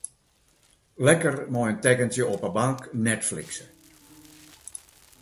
Lekker mei in tekkentsje op 'e bank netflixe.